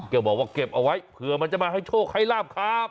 ก็บอกว่าเก็บเอาไว้เผื่อมันจะมาให้โชคให้ลาบครับ